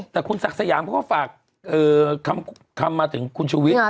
แต่คุณศักดิ์สยามเขาก็ฝากคำมาถึงคุณชูวิทย์